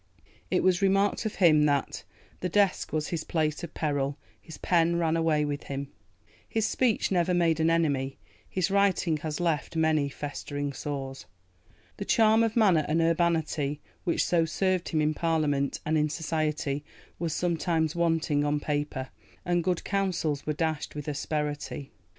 It was remarked of him that "the desk was his place of peril, his pen ran away with him. His speech never made an enemy, his writing has left many festering sores. The charm of manner and urbanity which so served him in Parliament and in society was sometimes wanting on paper, and good counsels were dashed with asperity."